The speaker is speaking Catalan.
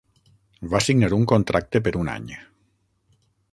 Va signar un contracte per un any.